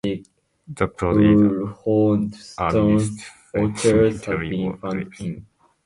The plot is amidst French military war graves.